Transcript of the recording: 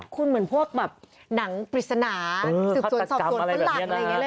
คุณเหมือนพวกแบบหนังปริศนาศึกษวนสอบส่วนฟังหลักอะไรอย่างนี้แหละ